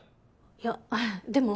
いやでも。